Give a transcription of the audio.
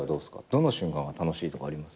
どの瞬間が楽しいとかあります？